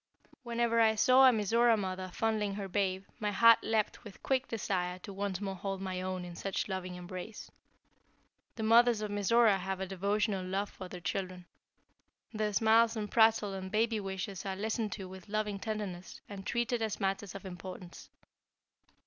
Whenever I saw a Mizora mother fondling her babe, my heart leapt with quick desire to once more hold my own in such loving embrace. The mothers of Mizora have a devotional love for their children. Their smiles and prattle and baby wishes are listened to with loving tenderness, and treated as matters of importance.